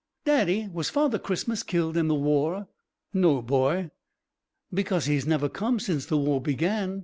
"Daddy, was Father Christmas killed in the war?" "No, boy." "Because he has never come since the war began.